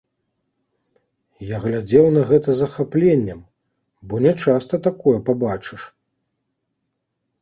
Я глядзеў на гэта з захапленнем, бо нячаста такое пабачыш.